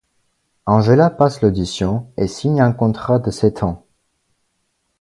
Angela passe l'audition et signe un contrat de sept ans.